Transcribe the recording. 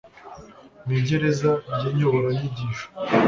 mu igerageza ry inyoboranyigisho